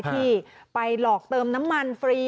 ที่ไปหลอกเติมน้ำมันฟรี